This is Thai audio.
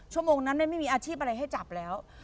ชั่วโมงนั้นไม่มีอาชีพอะไรให้จับแล้ว